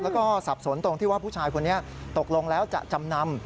แล้วก็สับสนตรงที่ว่าผู้ชายคนนี้ตกลงแล้วจะจำนำ